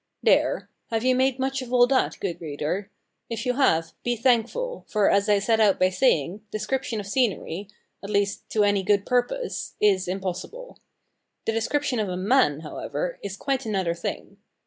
There: have you made much of all that, good reader? If you have, be thankful, for, as I set out by saying, description of scenery, (at least to any good purpose), is impossible. The description of a man, however, is quite another thing.